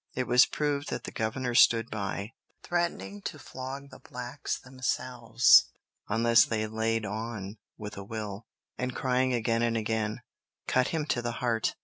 It was proved that the governor stood by, threatening to flog the blacks themselves unless they "laid on" with a will, and crying again and again, "Cut him to the heart!